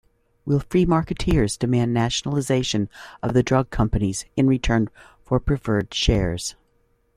Will free-marketeers demand nationalisation of the drug companies in return for preferred shares?